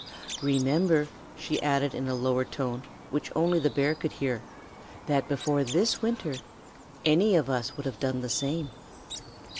Remember," she added in a lower tone, which only the bear could hear, "that before this winter, any of us would have done the same."